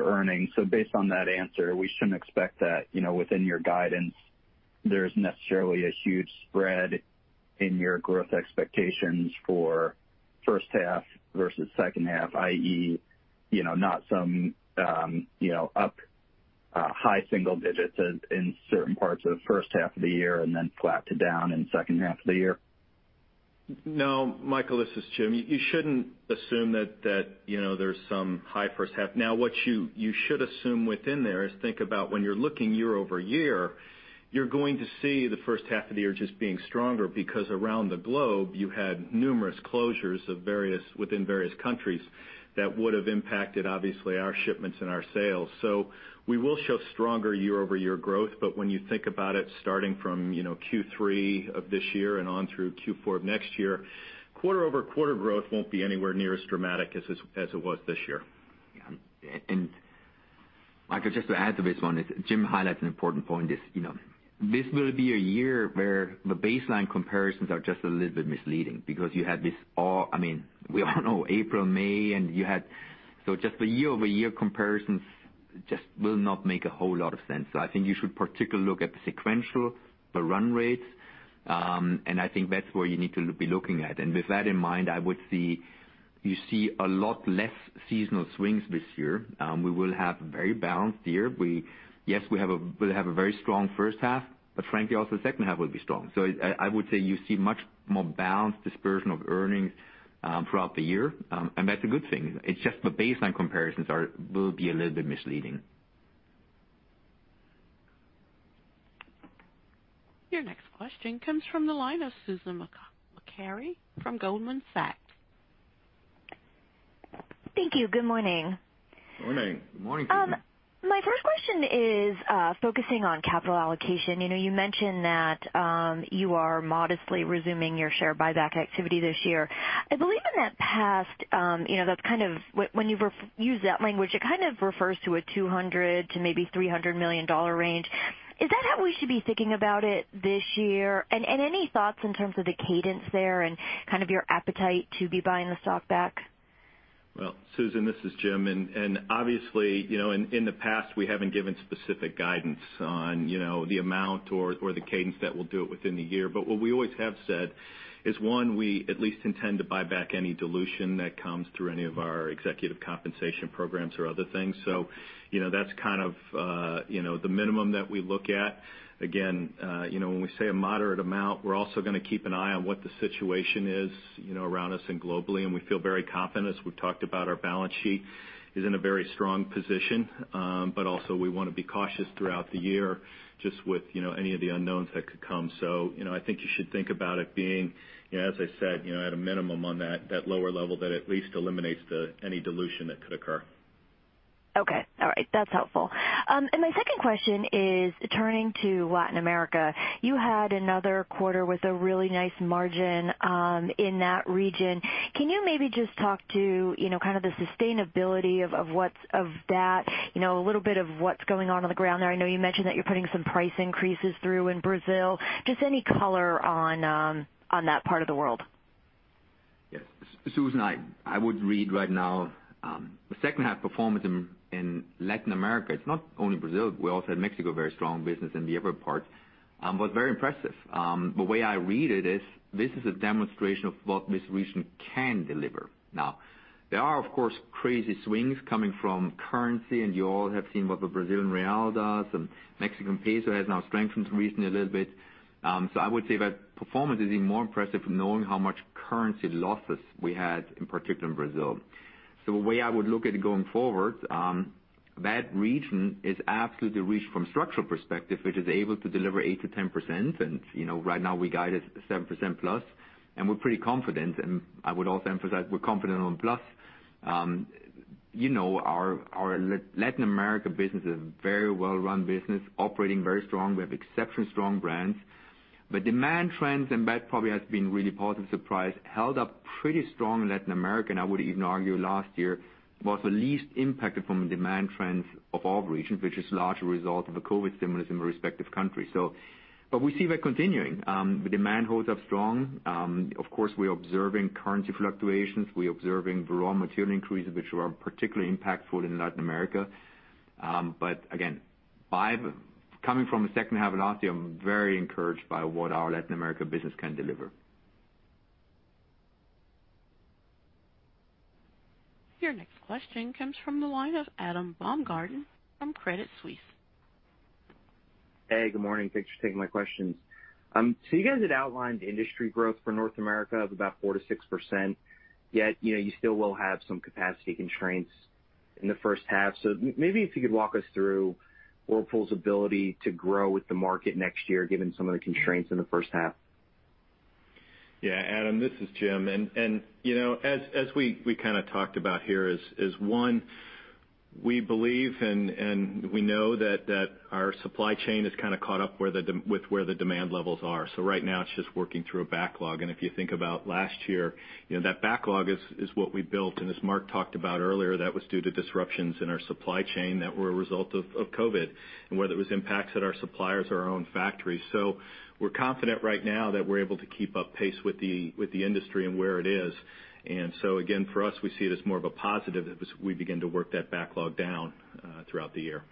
earnings. Based on that answer, we shouldn't expect that within your guidance, there's necessarily a huge spread in your growth expectations for first half versus second half, i.e., not some up high single digits in certain parts of the first half of the year and then flat to down in the second half of the year? No, Michael, this is Jim. You shouldn't assume that there's some high first half. Now, what you should assume within there is think about when you're looking year-over-year, you're going to see the first half of the year just being stronger because around the globe, you had numerous closures within various countries that would have impacted, obviously, our shipments and our sales. We will show stronger year-over-year growth, but when you think about it, starting from Q3 of this year and on through Q4 of next year, quarter-over-quarter growth won't be anywhere near as dramatic as it was this year. Yeah. Michael, just to add to this one, as Jim highlights an important point, this will be a year where the baseline comparisons are just a little bit misleading because I mean, we all know April, May. The year-over-year comparisons just will not make a whole lot of sense. I think you should particularly look at the sequential, the run rates, and I think that's where you need to be looking at. With that in mind, you see a lot less seasonal swings this year. We will have a very balanced year. Yes, we'll have a very strong first half, but frankly, also the second half will be strong. I would say you see much more balanced dispersion of earnings throughout the year. That's a good thing. It's just the baseline comparisons will be a little bit misleading. Your next question comes from the line of Susan Maklari from Goldman Sachs. Thank you. Good morning. Morning. Good morning. My first question is focusing on capital allocation. You mentioned that you are modestly resuming your share buyback activity this year. I believe in that past, when you use that language, it kind of refers to a $200 to maybe $300 million range. Is that how we should be thinking about it this year? Any thoughts in terms of the cadence there and kind of your appetite to be buying the stock back? Well, Susan, this is Jim. Obviously, in the past, we haven't given specific guidance on the amount or the cadence that we'll do it within the year. What we always have said is, one, we at least intend to buy back any dilution that comes through any of our executive compensation programs or other things. That's kind of the minimum that we look at. Again, when we say a moderate amount, we're also going to keep an eye on what the situation is around us and globally. We feel very confident as we've talked about our balance sheet is in a very strong position. Also we want to be cautious throughout the year just with any of the unknowns that could come. I think you should think about it being, as I said, at a minimum on that lower level that at least eliminates any dilution that could occur. Okay. All right. That's helpful. My second question is turning to Latin America. You had another quarter with a really nice margin in that region. Can you maybe just talk to kind of the sustainability of that, a little bit of what's going on on the ground there? I know you mentioned that you're putting some price increases through in Brazil. Just any color on that part of the world? Yes. Susan, I would read right now, the second half performance in Latin America, it's not only Brazil, we also had Mexico, very strong business in the upper part, was very impressive. The way I read it is, this is a demonstration of what this region can deliver. There are, of course, crazy swings coming from currency, and you all have seen what the Brazilian real does, and Mexican peso has now strengthened recently a little bit. I would say that performance is even more impressive knowing how much currency losses we had, in particular in Brazil. The way I would look at it going forward, that region is absolutely [inaudible] from structural perspective, which is able to deliver 8%-10%, and right now we guided 7% plus, and we're pretty confident. I would also emphasize we're confident on plus. Our Latin America business is very well-run business, operating very strong. We have exceptionally strong brands. The demand trends, and that probably has been really positive surprise, held up pretty strong in Latin America, and I would even argue last year was the least impacted from the demand trends of all regions, which is largely a result of the COVID stimulus in the respective countries. We see that continuing. The demand holds up strong. Of course, we're observing currency fluctuations. We're observing raw material increases, which were particularly impactful in Latin America. Again, coming from the second half of last year, I'm very encouraged by what our Latin America business can deliver. Your next question comes from the line of Adam Baumgarten from Credit Suisse. Hey, good morning. Thanks for taking my questions. You guys had outlined industry growth for North America of about 4%-6%, yet you still will have some capacity constraints in the first half. Maybe if you could walk us through Whirlpool's ability to grow with the market next year, given some of the constraints in the first half. Yeah, Adam, this is Jim. As we kind of talked about here is, one, we believe and we know that our supply chain has kind of caught up with where the demand levels are. Right now it's just working through a backlog, and if you think about last year, that backlog is what we built. As Marc talked about earlier, that was due to disruptions in our supply chain that were a result of COVID, and whether it was impacts at our suppliers or our own factories. We're confident right now that we're able to keep up pace with the industry and where it is. Again, for us, we see it as more of a positive as we begin to work that backlog down throughout the year.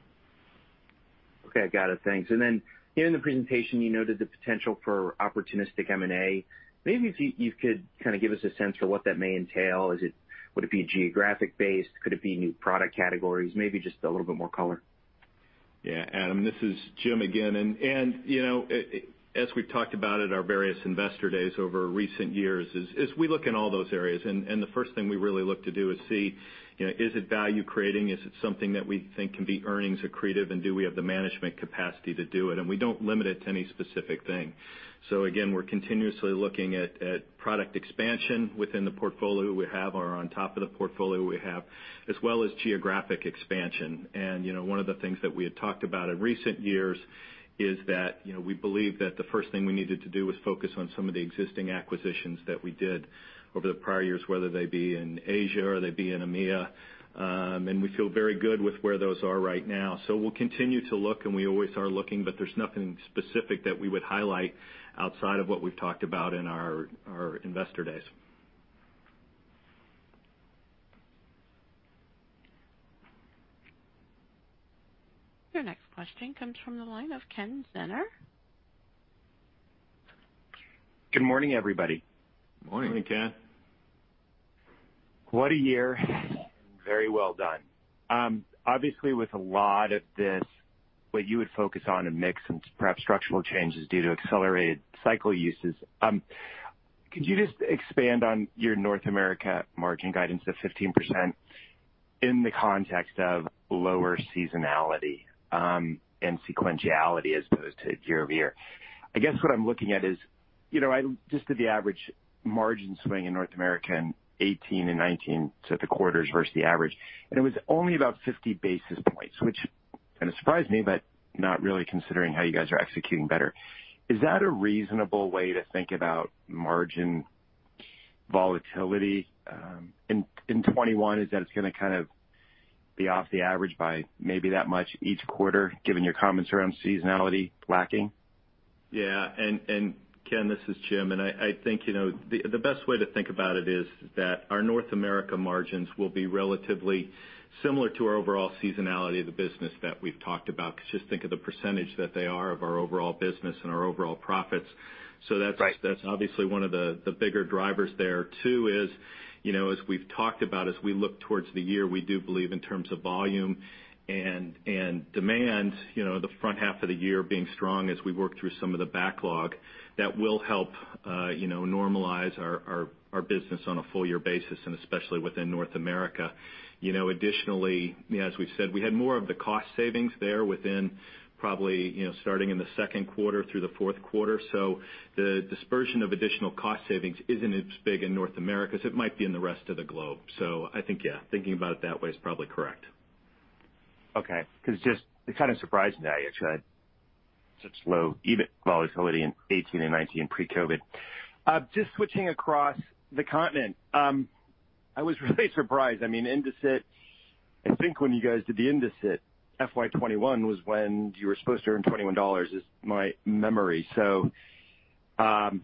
Okay. Got it. Thanks. Then in the presentation, you noted the potential for opportunistic M&A. Maybe if you could kind of give us a sense for what that may entail. Would it be geographic based? Could it be new product categories? Maybe just a little bit more color. Yeah. Adam, this is Jim again. As we've talked about at our various Investor Days over recent years, is we look in all those areas, and the first thing we really look to do is see, is it value creating? Is it something that we think can be earnings accretive, and do we have the management capacity to do it? We don't limit it to any specific thing. Again, we're continuously looking at product expansion within the portfolio we have or on top of the portfolio we have, as well as geographic expansion. One of the things that we had talked about in recent years is that we believe that the first thing we needed to do was focus on some of the existing acquisitions that we did over the prior years, whether they be in Asia or they be in EMEA, and we feel very good with where those are right now. We'll continue to look, and we always are looking, but there's nothing specific that we would highlight outside of what we've talked about in our investor days. Your next question comes from the line of Ken Zener. Good morning, everybody. Morning. Morning, Ken. What a year. Very well done. With a lot of this, what you would focus on and mix and perhaps structural changes due to accelerated cycle uses. Could you just expand on your North America margin guidance of 15% in the context of lower seasonality, and sequentiality as opposed to year-over-year? I guess what I'm looking at is, just at the average margin swing in North America in 2018 and 2019, so the quarters versus the average, and it was only about 50 basis points. Kind of surprised me, but not really considering how you guys are executing better. Is that a reasonable way to think about margin volatility, in 2021, is that it's going to kind of be off the average by maybe that much each quarter, given your comments around seasonality lacking? Yeah. Ken, this is Jim. I think the best way to think about it is that our North America margins will be relatively similar to our overall seasonality of the business that we've talked about, because just think of the percentage that they are of our overall business and our overall profits. Right. That's obviously one of the bigger drivers there. Two is, as we've talked about, as we look towards the year, we do believe in terms of volume and demand, the front half of the year being strong as we work through some of the backlog, that will help normalize our business on a full-year basis, and especially within North America. Additionally, as we've said, we had more of the cost savings there within probably starting in the second quarter through the 4th quarter. The dispersion of additional cost savings isn't as big in North America as it might be in the rest of the globe. I think, yeah, thinking about it that way is probably correct. Okay. It kind of surprised me that you had such low EBIT volatility in 2018 and 2019 pre-COVID-19. Just switching across the continent. I was really surprised. Investor Day, I think when you guys did the Investor Day, FY 2021 was when you were supposed to earn $21, is my memory. Dollars at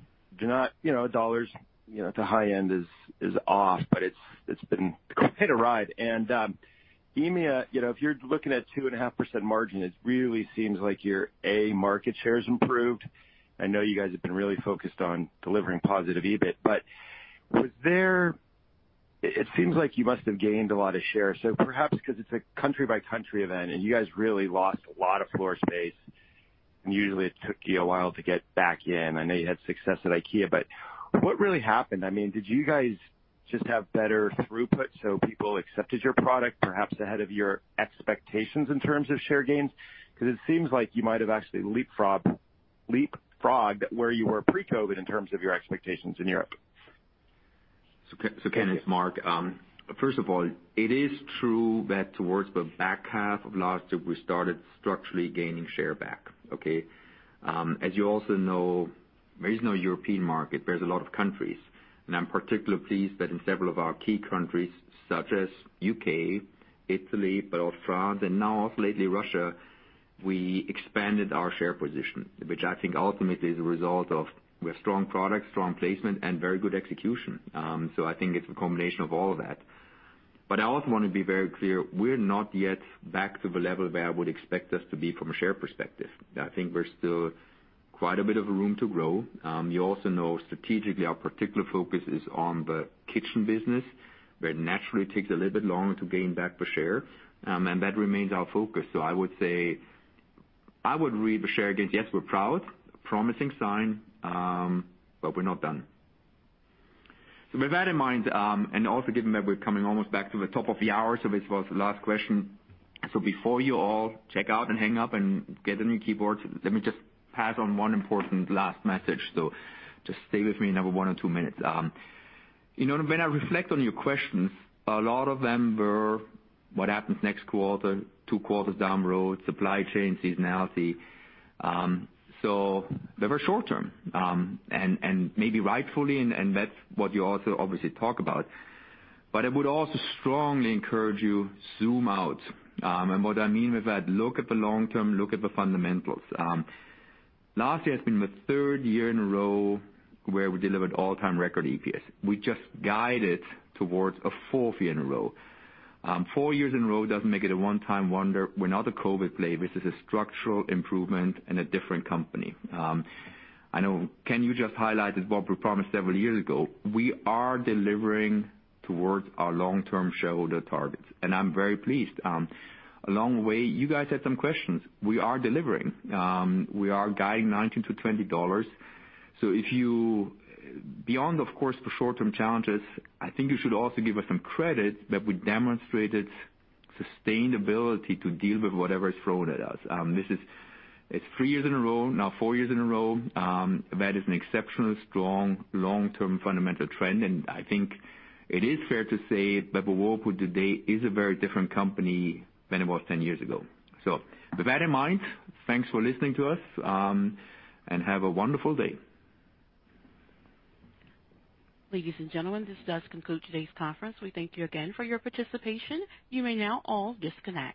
the high end is off, but it's been quite a ride. EMEA, if you're looking at 2.5% margin, it really seems like your a market share has improved. I know you guys have been really focused on delivering positive EBIT, but it seems like you must have gained a lot of share. Perhaps because it's a country-by-country event and you guys really lost a lot of floor space, and usually it took you a while to get back in. I know you had success at IKEA, but what really happened? Did you guys just have better throughput, so people accepted your product, perhaps ahead of your expectations in terms of share gains? Because it seems like you might have actually leapfrogged where you were pre-COVID in terms of your expectations in Europe. Ken, it's Marc. First of all, it is true that towards the back half of last year, we started structurally gaining share back, okay? As you also know, there is no European market, there's a lot of countries, and I'm particularly pleased that in several of our key countries, such as U.K., Italy, but also France and now also lately Russia, we expanded our share position, which I think ultimately is a result of we have strong products, strong placement, and very good execution. I think it's a combination of all that. I also want to be very clear, we are not yet back to the level where I would expect us to be from a share perspective. I think we're still quite a bit of a room to grow. You also know strategically, our particular focus is on the kitchen business, where it naturally takes a little bit longer to gain back the share, and that remains our focus. I would say, I would read the share gains. Yes, we're proud, promising sign, but we're not done. With that in mind, and also given that we're coming almost back to the top of the hour, this was the last question. Before you all check out and hang up and get a new keyboard, let me just pass on one important last message. Just stay with me another one or two minutes. When I reflect on your questions, a lot of them were what happens next quarter, two quarters down the road, supply chain seasonality. They were short-term, and maybe rightfully, and that's what you also obviously talk about. I would also strongly encourage you zoom out. What I mean with that, look at the long-term, look at the fundamentals. Last year has been the third year in a row where we delivered all-time record EPS. We just guided towards a fourth year in a row. Four years in a row doesn't make it a one-time wonder. We're not a COVID play. This is a structural improvement and a different company. I know Ken, you just highlighted what we promised several years ago. We are delivering towards our long-term shareholder targets, and I'm very pleased. Along the way, you guys had some questions. We are delivering. We are guiding $19-$20. Beyond, of course, the short-term challenges, I think you should also give us some credit that we demonstrated sustainability to deal with whatever is thrown at us. It's three years in a row now, four years in a row. That is an exceptionally strong long-term fundamental trend, and I think it is fair to say that Whirlpool today is a very different company than it was 10 years ago. With that in mind, thanks for listening to us, and have a wonderful day. Ladies and gentlemen, this does conclude today's conference. We thank you again for your participation. You may now all disconnect.